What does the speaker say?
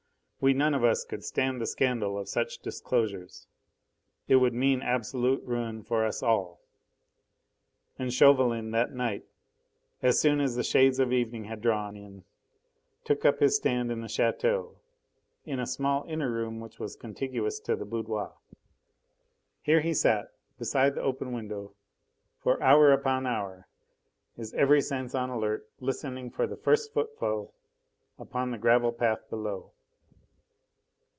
"We none of us could stand the scandal of such disclosures. It would mean absolute ruin for us all." And Chauvelin that night, as soon as the shades of evening had drawn in, took up his stand in the chateau, in the small inner room which was contiguous to the boudoir. Here he sat, beside the open window, for hour upon hour, his every sense on the alert, listening for the first footfall upon the gravel path below.